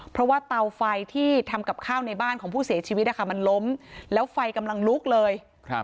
เพราะว่าเตาไฟที่ทำกับข้าวในบ้านของผู้เสียชีวิตมันล้มแล้วไฟกำลังลุกเลย